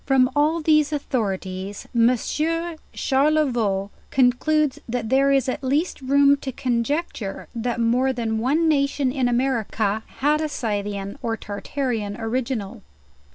From all these authorities Monsieur Charlevoix concludes, that there is at least room to conjecture that more than one nation in America had a Scythian or Tartarian original.